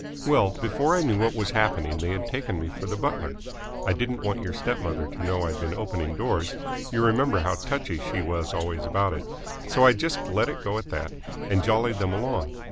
"Well, before I knew what was happening they had taken me for the butler. I didn't want your step mother to know I'd been opening doors you remember how touchy she was always about it so I just let it go at that and jollied them along.